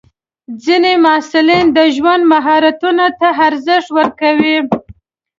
ځینې محصلین د ژوند مهارتونو ته ارزښت ورکوي.